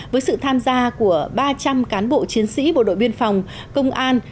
với sự tham gia của ba trăm linh cán bộ chiến sĩ bộ đội biên phòng công an